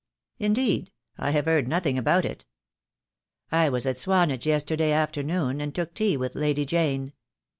"Indeed! I have heard nothing about it." "I was at Swanage yesterday afternoon, and took tea with Lady Jane.